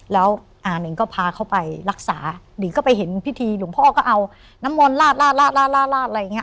แล้วหนึ่งก็พาเข้าไปรักษาหรือก็ไปเห็นพิธีหลวงพ่อก็เอาน้ำมนต์ลาดอะไรอย่างนี้